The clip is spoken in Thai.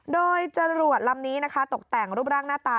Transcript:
โดยจรวดลำนี้นะคะตกแต่งรูปร่างหน้าตา